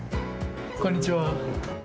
こんにちは。